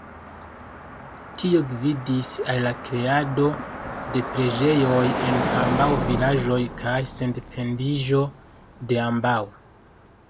Tio gvidis al la kreado de preĝejoj en ambaŭ vilaĝoj kaj sendependiĝo de ambaŭ.